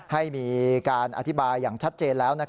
ให้มีการอธิบายอย่างชัดเจนแล้ว